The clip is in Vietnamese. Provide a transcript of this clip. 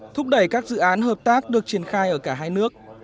thúc đẩy các dự án hợp tác được triển khai ở cả hai nước